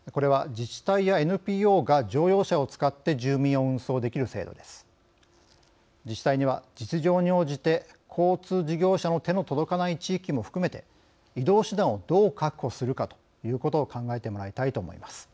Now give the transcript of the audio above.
自治体には実情に応じて交通事業者の手の届かない地域も含めて移動手段をどう確保するかということを考えてもらいたいと思います。